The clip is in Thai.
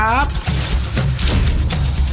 สวัสดีครับ